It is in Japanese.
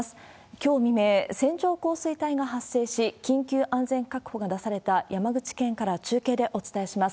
きょう未明、線状降水帯が発生し、緊急安全確保が出された山口県から中継でお伝えします。